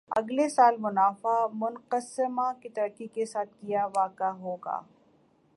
اگلے سال منافع منقسمہ کی ترقی کے ساتھ کِیا واقع ہو گا